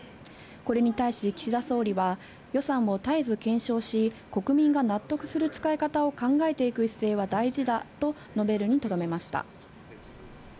これに対し岸田総理は予算を絶えず検証し、国民が納得する使い方を考えていく姿勢は大事だと述べるにとどめました。